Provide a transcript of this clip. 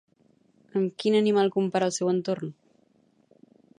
Amb quin animal compara el seu entorn?